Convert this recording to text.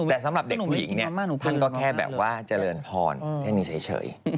แต่สำหรับเด็กผู้หญิงเนี่ยท่านก็แค่แบบว่าเจริญพรแค่นี้เฉย